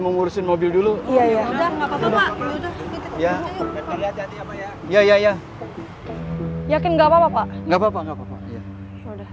yang pertama ini pun yang ketepet